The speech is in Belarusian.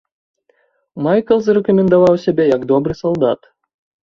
Майкл зарэкамендаваў сябе як добры салдат.